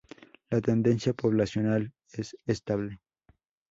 La tendencia poblacional es estable.